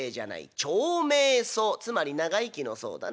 つまり長生きの相だな。